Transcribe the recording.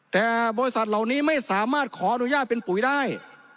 แต่บริษัทเหล่านี้ไม่สามารถขออนุญาตเป็นปุ๋ยได้